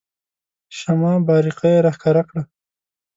شمه بارقه یې راښکاره کړه.